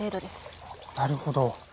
なるほど。